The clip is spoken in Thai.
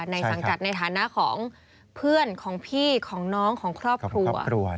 สังกัดในฐานะของเพื่อนของพี่ของน้องของครอบครัว